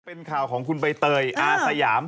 เป็นข่าวของคุณใบเตยอาสยาม